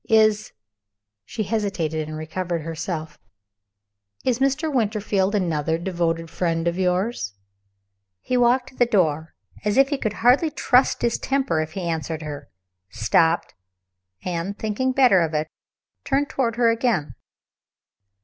"Is " (she hesitated and recovered herself) "Is Mr. Winterfield another devoted friend of yours?" He walked to the door, as if he could hardly trust his temper if he answered her stopped and, thinking better of it, turned toward her again.